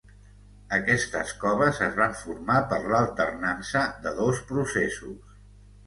Aquestes coves es van formar per l'alternança de dos processos.